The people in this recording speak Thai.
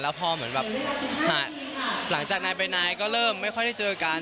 พอเหมือนแบบหลังจากนายไปนายก็เริ่มไม่ค่อยได้เจอกัน